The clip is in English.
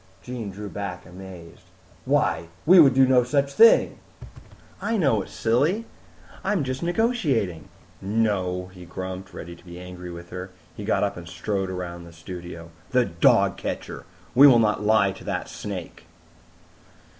'" Jean drew back amazed. "Why, we would do no such thing!" "I know it, silly. I'm just negotiating." "No," he grumped, ready to be angry with her. He got up and strode around the studio. "The dog catcher! We will not lie to that snake!"